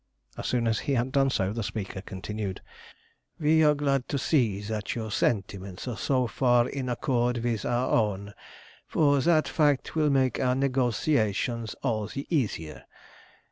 As soon as he had done so the speaker continued "We are glad to see that your sentiments are so far in accord with our own, for that fact will make our negotiations all the easier.